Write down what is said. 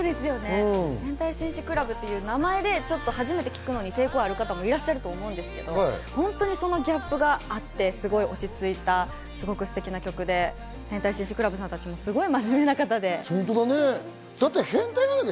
変態紳士クラブという名前で初めて聴くのに抵抗あるという方もいらっしゃると思うんですけれども、そのギャップがあって、すごく落ち着いたステキな曲で、変態紳士クラブさんたちもすごく真面目な方たちで。